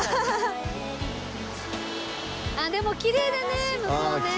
あっでもきれいだね向こうね。